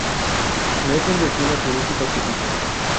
No es un destino turístico típico.